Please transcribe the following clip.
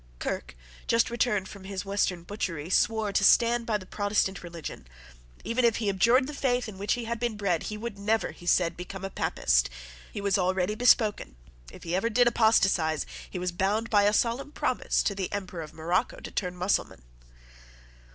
Kirke, just returned from his western butchery, swore to stand by the Protestant religion. Even if he abjured the faith in which he had been bred, he would never, he said, become a Papist. He was already bespoken. If ever he did apostatize, he was bound by a solemn promise to the Emperor of Morocco to turn Mussulman.